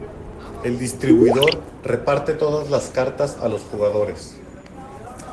El distribuidor reparte todas las cartas a los jugadores.